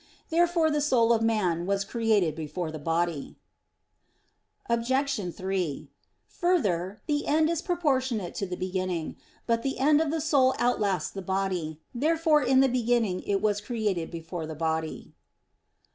Therefore the soul of man was created before the body. Obj. 3: Further, the end is proportionate to the beginning. But in the end the soul outlasts the body. Therefore in the beginning it was created before the body.